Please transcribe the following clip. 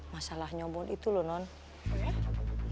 masalah nyomot itu loh nont